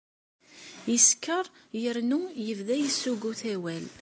Yeskeṛ yernu yebda yessuggut awal.